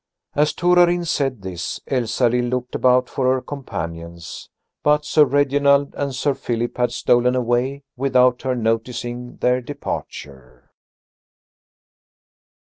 As Torarin said this, Elsalill looked about for her companions. But Sir Reginald and Sir Philip had stolen away without her noticing their departure.